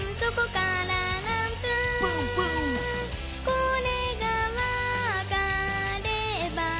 「これがわかれば」